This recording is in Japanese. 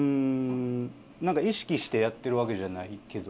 なんか意識してやってるわけじゃないけど。